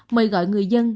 mời gọi người dân